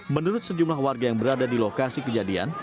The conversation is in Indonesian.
menurut sejumlah warga yang berada di lokasi kejadian